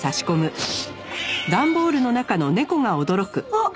あっ！